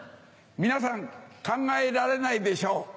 皆さん考えられないでしょう。